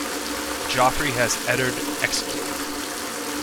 Joffrey has Eddard executed.